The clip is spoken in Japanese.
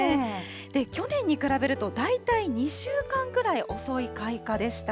去年に比べると大体２週間ぐらい遅い開花でした。